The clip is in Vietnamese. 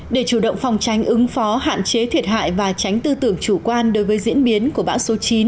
để chủ động phòng tránh ứng phó hạn chế thiệt hại và tránh tư tưởng chủ quan đối với diễn biến của bão số chín